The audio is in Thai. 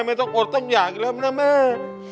ไม่ต้องอดต้องอยากแล้วนะแม่